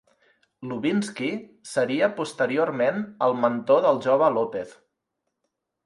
Lubinsky seria posteriorment el mentor del jove Lopez.